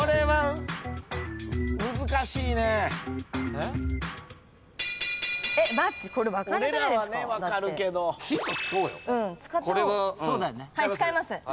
はい使います。